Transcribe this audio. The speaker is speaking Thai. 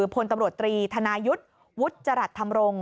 พลตำรวจตรีธนายุทธ์วุฒิจรัสธรรมรงค์